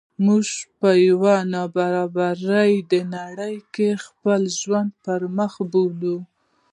موږ په یوه نا برابره نړۍ کې د خپل ژوند پرمخ بوولو.